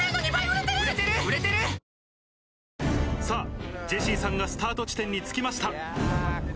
さぁジェシーさんがスタート地点につきました。